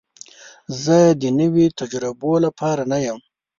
زه د نوي تجربو لپاره نه یم.